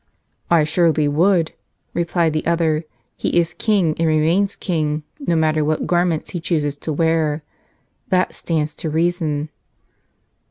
"I surely would," replied the other. "He is King and remains King, no matter what garments he chooses to wear. That stands to reason."